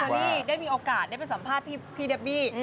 ที่ได้มีโอกาสได้ไปสัมภาษณ์พี่เดบบี้